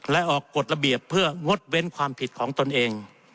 และออกกฎระเบียบเพื่องดเว้นความผิดของตนเอง